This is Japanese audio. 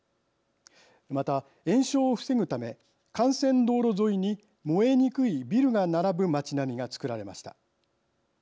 また延焼を防ぐため幹線道路沿いに燃えにくいビルが並ぶ街並みが作られました。